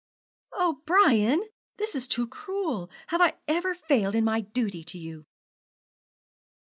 'Oh, Brian, this is too cruel! Have I ever failed in my duty to you?'